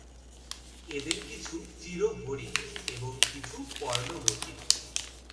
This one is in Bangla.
এদের কিছু চিরহরিৎ এবং কিছু পর্ণমোচী।